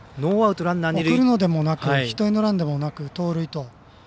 送るのでもなくヒットエンドランでもなく盗塁と。